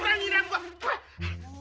sama yang ngerang nyeram gua